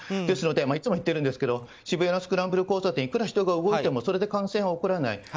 ですのでいつも言ってるんですけど渋谷のスクランブル交差点いくら人が動いてもそれで感染は起こらない。